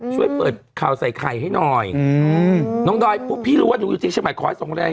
ช่วยเปิดข่าวใส่ไข่ให้หน่อยอืมน้องดอยปุ๊บพี่รู้ว่าหนูอยู่ที่เชียงใหม่ขอให้ส่งแรง